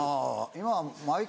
今。